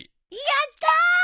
やったー！